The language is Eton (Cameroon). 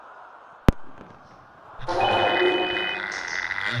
Tara a ne do ya?